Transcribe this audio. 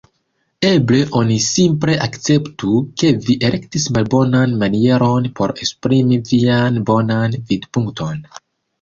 Eble oni simple akceptu, ke vi elektis malbonan manieron por esprimi vian bonan vidpunkton.